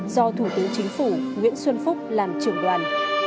do thủ tướng chính phủ nguyễn xuân phúc làm trưởng đoàn